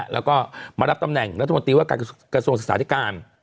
แล้วก็มารับตำแหน่งรัฐมนตรีว่าการกระทรวงศึกษาธิการ